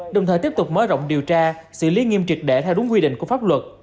đồng thời tiếp tục mở rộng điều tra xử lý nghiêm triệt đẻ theo đúng quy định của pháp luật